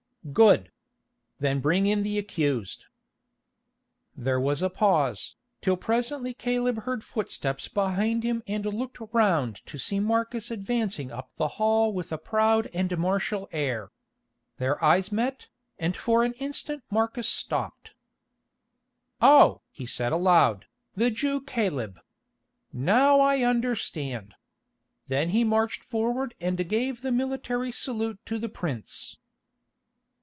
"Good. Then bring in the accused." There was a pause, till presently Caleb heard footsteps behind him and looked round to see Marcus advancing up the hall with a proud and martial air. Their eyes met, and for an instant Marcus stopped. "Oh!" he said aloud, "the Jew Caleb. Now I understand." Then he marched forward and gave the military salute to the prince.